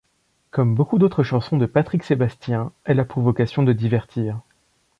Comme beaucoup d'autres chansons de Patrick Sébastien, elle a pour vocation de divertir.